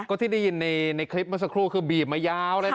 ก็ที่ได้ยินในคลิปเมื่อสักครู่คือบีบมายาวเลยนะ